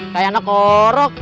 kayak anak orok